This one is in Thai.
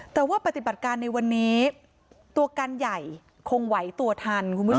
แต่ว่าปฏิบัติการในวันนี้ตัวการใหญ่คงไหวตัวทันคุณผู้ชม